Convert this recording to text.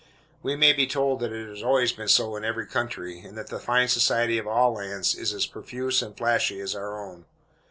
We may be told that it has always been so in every country, and that the fine society of all lands is as profuse and flashy as our own.